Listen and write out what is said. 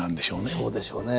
そうでしょうね。